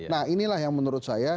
nah inilah yang menurut saya